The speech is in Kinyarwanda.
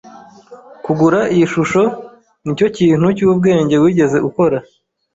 Kugura iyi shusho nicyo kintu cyubwenge wigeze ukora.